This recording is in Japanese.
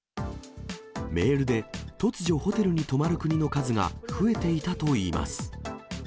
メールで、突如ホテルに泊まる国の数が増えていたといいます。